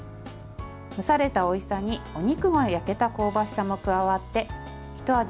蒸されたおいしさにお肉が焼けた香ばしさも加わってひと味